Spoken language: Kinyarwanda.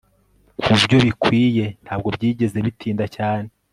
kubyo bikwiye ntabwo byigeze bitinda cyane